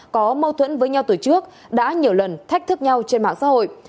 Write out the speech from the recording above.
có mâu thuẫn với nhau tuổi trước đã nhiều lần thách thức nhau trên mạng xã hội